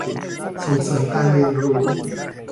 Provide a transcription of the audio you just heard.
ส่งเสริมการเรียนรู้